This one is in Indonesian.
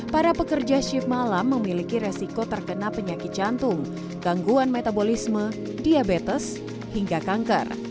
para pekerja shift malam memiliki resiko terkena penyakit jantung gangguan metabolisme diabetes hingga kanker